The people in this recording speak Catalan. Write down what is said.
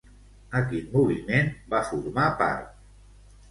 A quin moviment va formar part?